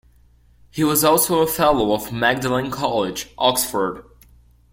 He was also a Fellow of Magdalen College, Oxford.